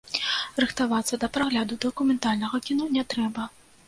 Рыхтавацца да прагляду дакументальнага кіно не трэба.